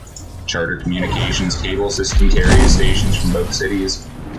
Charter Communications' cable system carries stations from both cities.